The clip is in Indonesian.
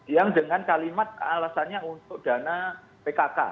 yang dengan kalimat alasannya untuk dana pkk